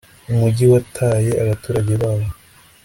umujyi wataye abaturage bawo